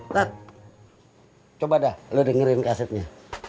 tat coba dah lu dengerin kasetnya